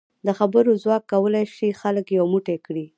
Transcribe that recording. د خبرو ځواک کولای شي خلک یو موټی کړي.